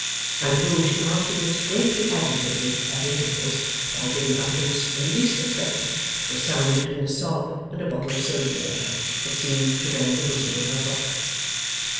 And whom she afterwards greatly agitated at intervals, by giving utterance, when least expected, to a sound between a sob and a bottle of soda water, that seemed to rend the bosom of her frock.